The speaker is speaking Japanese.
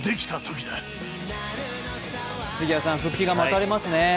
杉谷さん、復帰が待たれますね。